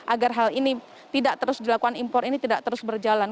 agar hal ini tidak terus dilakukan impor ini tidak terus berjalan